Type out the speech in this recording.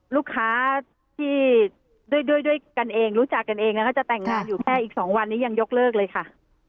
ลูกค้าที่รู้จักกันเองแล้วจะแต่งงานอยู่แค่อีก๒วันนี้ยังยกเลิกเลยค่ะ